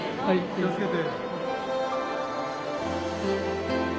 気をつけて。